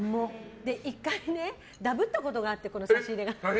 １回ね、ダブったことがあってこの差し入れが。